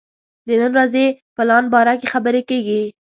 د نن ورځې پلان باره کې خبرې کېږي.